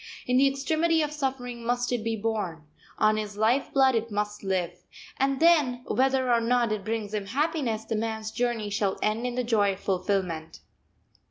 In the extremity of suffering must it be born; on his life blood it must live; and then, whether or not it brings him happiness, the man's journey shall end in the joy of fulfilment.